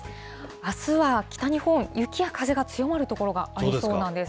あすは北日本、雪や風が強まる所がありそうなんです。